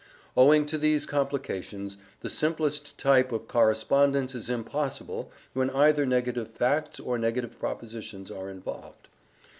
Owing to these complications, the simplest type of correspondence is impossible when either negative facts or negative propositions are involved.